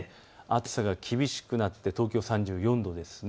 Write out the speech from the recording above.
暑さが厳しくなって東京３４度です。